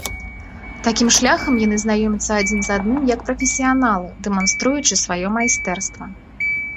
Такім шляхам яны знаёмяцца адзін з адным як прафесіяналы, дэманструючы сваё майстэрства.